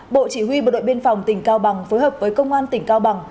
bộ chỉ huy bộ đội biên phòng tỉnh cao bằng phối hợp với công an tỉnh cao bằng